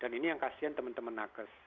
dan ini yang kasihan teman teman nakes